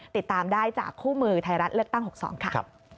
ติดตามได้จากคู่มือไทยรัฐเลือกตั้ง๖๒ค่ะ